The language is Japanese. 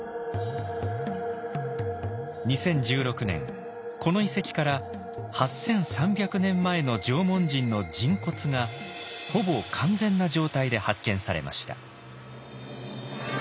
２０１６年この遺跡から８３００年前の縄文人の人骨がほぼ完全な状態で発見されました。